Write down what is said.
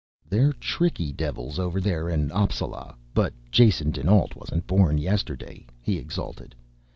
"They're tricky devils over there in Appsala, but Jason dinAlt wasn't born yesterday," he exulted.